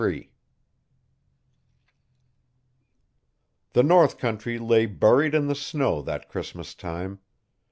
Chapter 43 The north country lay buried in the snow that Christmastime.